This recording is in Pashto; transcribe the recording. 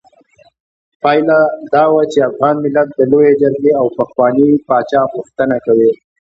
پايله دا وه چې افغان ملت د لویې جرګې او پخواني پاچا غوښتنه کوي.